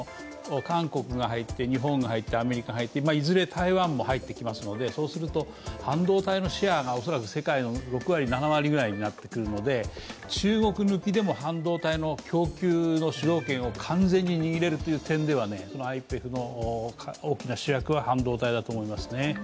韓国が入って、日本が入ってアメリカが入っていずれ台湾も入ってきますのでそうすると半導体のシェアが世界の６割、７割ぐらいになってくるので中国抜きでも半導体の供給の主導権を完全に握れるという点ではＩＰＥＦの大きな主役は半導体だと思いますね。